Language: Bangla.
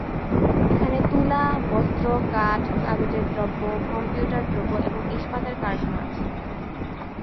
এখানে তুলা, বস্ত্র, কাঠ, কাগজের দ্রব্য, কম্পিউটার দ্রব্য এবং ইস্পাতের কারখানা আছে।